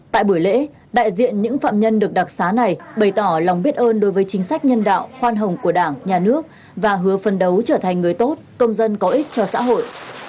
tại buổi lễ đại diện những phạm nhân được đặc xá này bày tỏ lòng biết ơn đối với chính sách nhân đạo khoan hồng của đảng nhà nước và hứa phân đấu trở thành người tốt công dân có ích cho xã hội